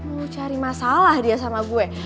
mau cari masalah dia sama gue